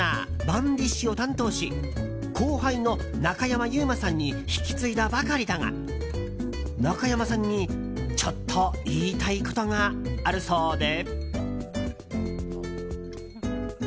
ＯｎｅＤｉｓｈを担当し後輩の中山優馬さんに引き継いだばかりだが中山さんに、ちょっと言いたいことがあるそうで。